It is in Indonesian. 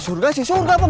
surga sih surga pak